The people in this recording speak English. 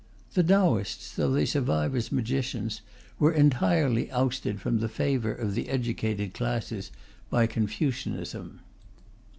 The Taoists, though they survive as magicians, were entirely ousted from the favour of the educated classes by Confucianism.